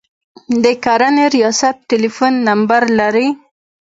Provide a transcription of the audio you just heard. د کرنې ریاست ټلیفون نمبر لرئ؟